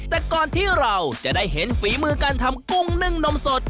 แต่ก่อนที่เราจะได้เห็นฝีมือการทำกุ้งนึ่งนมสด